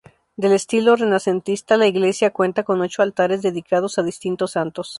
De estilo renacentista, la iglesia cuenta con ocho altares dedicados a distintos santos.